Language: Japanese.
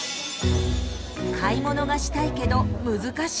買い物がしたいけど難しい。